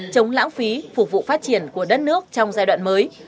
chống lãng phí phục vụ phát triển của đất nước trong giai đoạn mới